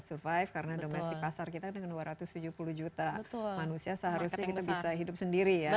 survive karena domestik pasar kita dengan dua ratus tujuh puluh juta manusia seharusnya kita bisa hidup sendiri ya